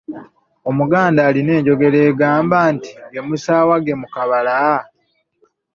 Omuganda alina enjogera egamba nti. “Ge musaawa gemukabala?